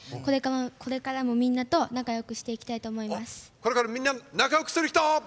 これからみんな仲よくする人！